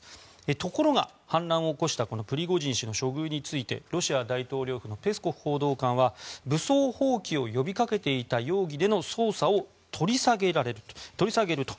ところが、反乱を起こしたプリゴジン氏の処遇についてロシア大統領府のペスコフ報道官は武装蜂起を呼びかけていた容疑での捜査を取り下げると。